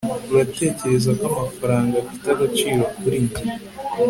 uratekereza ko amafaranga afite agaciro kuri njye